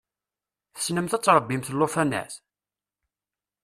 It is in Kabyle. Tessnemt ad tṛebbimt llufanat?